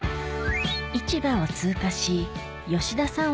市場を通過し吉田さん